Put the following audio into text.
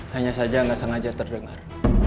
hanya saja nggak sengaja terdengar